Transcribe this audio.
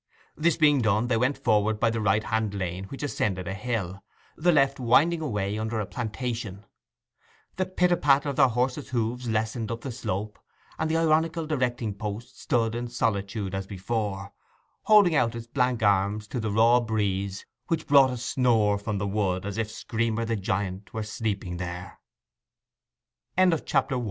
This being done, they went forward by the right hand lane, which ascended a hill, the left winding away under a plantation. The pit a pat of their horses' hoofs lessened up the slope; and the ironical directing post stood in solitude as before, holding out its blank arms to the raw breeze, which brought a snore from the wood as